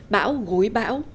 bão gối bão